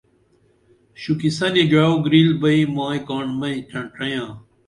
شُکِسنی گعو گریل بئی مائی کاڻ مئی ڇڇئییاں